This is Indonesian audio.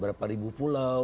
berapa ribu pulau